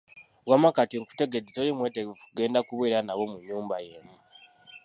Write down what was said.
Wamma kati nkutegedde toli mwetegefu kugenda kubeera nabo mu nnyumba y’emu.